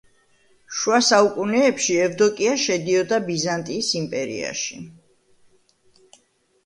შუა საუკუნეებში ევდოკია შედიოდა ბიზანტიის იმპერიაში.